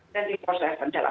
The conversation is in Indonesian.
dan di proses penjalanan